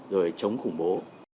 rồi chống khủng bố